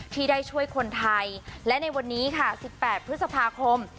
ที่ได้ช่วยคนไทยและในวันนี้ค่ะ๑๘พฤษภาคม